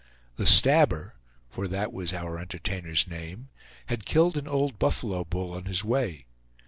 The Stabber, for that was our entertainer's name, had killed an old buffalo bull on his way.